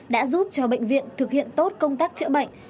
đã giúp cho bệnh viện thực hiện tốt công tác chữa bệnh